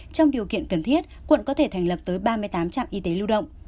trong điều kiện cần thiết quận có thể thành lập tới ba mươi tám trạm y tế lưu động